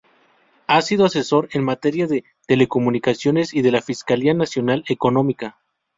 Ha sido asesor en materia de telecomunicaciones y de la Fiscalía Nacional Económica.